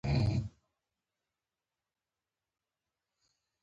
د نورستان د اړتیاوو پوره کولو لپاره اړین اقدامات ترسره کېږي.